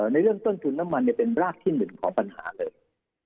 ในเรื่องต้นทุนน้ำมันเป็นรากที่๑ของปัญหาเลย